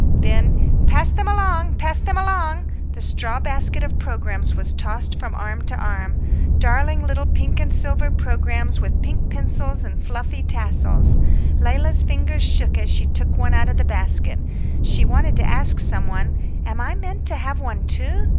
Then, "Pass them along, pass them along!" The straw basket of programmes was tossed from arm to arm. Darling little pink and silver programmes, with pink pencils and fluffy tassels. Leila's fingers shook as she took one out of the basket. She wanted to ask some one, "Am I meant to have one too?"